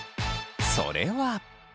それは。